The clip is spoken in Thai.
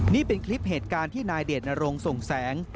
นี่เป็นคลิปเหตุการณ์ที่นายเดชนรงส่งแสง